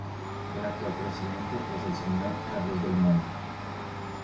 El actual presidente, es el Sr Carlos Belmonte.